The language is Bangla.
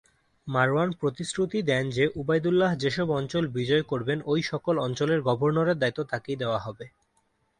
মারওয়ান প্রতিশ্রুতি দেন যে উবাইদুল্লাহ যেসব অঞ্চল বিজয় করবেন ঐ সকল অঞ্চলের গভর্নরের দায়িত্ব তাকেই দেওয়া হবে।